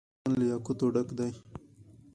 افغانستان له یاقوت ډک دی.